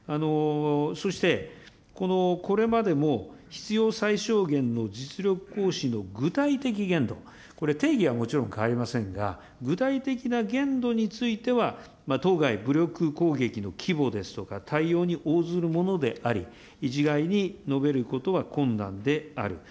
そして、これまでも必要最小限の実力行使の具体的限度、これ、定義はもちろん変わりませんが、具体的な限度については、当該武力攻撃の規模ですとか、態様に応ずるものであり、一概に述べることは困難である。